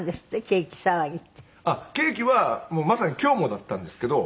ケーキはまさに今日もだったんですけど。